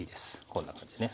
こんな感じでね。